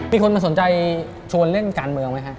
มีคนมาสนใจชวนเล่นการเมืองไหมฮะ